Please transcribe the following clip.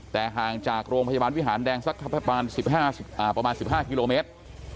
แต่ห่างจากโรงพยาบาลวิหารแดงสักประมาณ๑๕กิโลเมตร